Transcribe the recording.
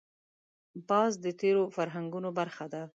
باز د تېرو فرهنګونو برخه ده